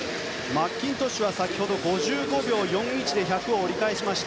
マッキントッシュは先ほど５５秒４１で１００を折り返しました。